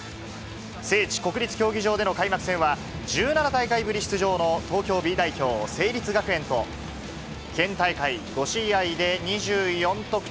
聖地、国立競技場での開幕戦は、１７大会ぶり出場の東京Ｂ代表、成立学園と、県大会５試合で２４得点